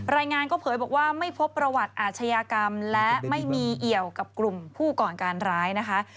รายงานก็เผยบอกว่าไม่พบประวัติอาชญากรรมและไม่มีเอี่ยวกับกลุ่มผู้ก่อการร้ายนะคะ